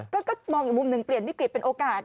ก็มองอีกมุมหนึ่งเปลี่ยนวิกฤตเป็นโอกาส